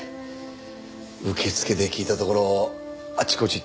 受付で聞いたところあちこち